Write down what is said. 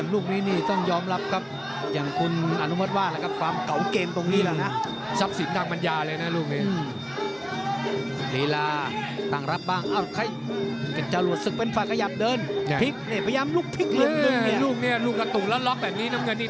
ลูกนี่ลูกกระทุกล็อทล็อคแบบนี้น้ำเงินนี่